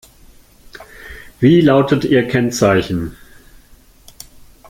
Wie lautet ihr Kennzeichen?